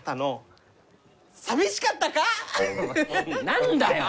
何だよ！